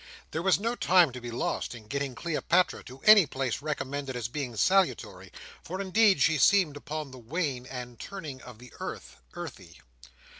There was no time to be lost in getting Cleopatra to any place recommended as being salutary; for, indeed, she seemed upon the wane, and turning of the earth, earthy.